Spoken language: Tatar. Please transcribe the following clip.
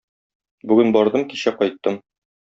Бүген бардым, кичә кайттым.